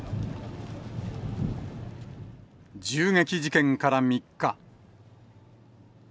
銃撃事件から３日。